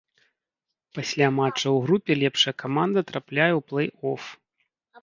Пасля матчаў у групе лепшая каманда трапляе ў плэй-оф.